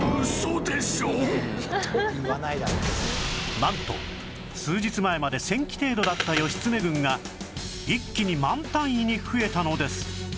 なんと数日前まで１０００騎程度だった義経軍が一気に万単位に増えたのです